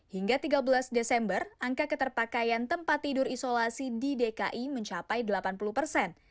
hingga tiga belas desember angka keterpakaian tempat tidur isolasi di dki mencapai delapan puluh persen